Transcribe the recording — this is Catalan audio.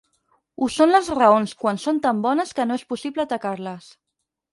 Ho són les raons quan són tan bones que no és possible atacar-les.